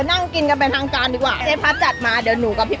อันนี้ที่นั่งมาเป็นน่องเลยแหมไก่ทอดหัดใหญ่ที่เค้ามี